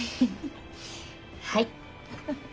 はい！